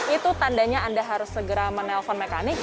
itu tandanya anda harus segera menelpon mekanik